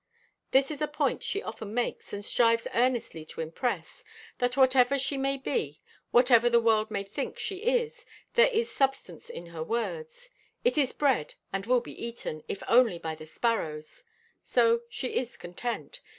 This is a point she often makes, and strives earnestly to impress—that whatever she may be, whatever the world may think she is, there is substance in her words. It is bread, and will be eaten, if only by the sparrows. So, she is content.